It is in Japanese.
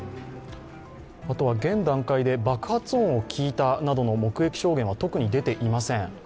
あとは現段階で爆発音を聞いたなどの証言は特に出ていません。